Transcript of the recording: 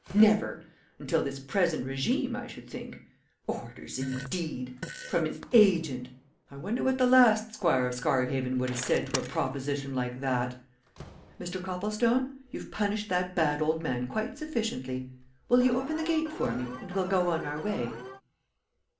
"Never! until this present régime, I should think. Orders, indeed! from an agent! I wonder what the last Squire of Scarhaven would have said to a proposition like that? Mr. Copplestone you've punished that bad old man quite sufficiently. Will you open the gate for me and we'll go on our way."